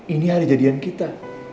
ini hari jadian kita